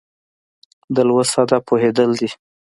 د لوست هدف پوهېدل دي.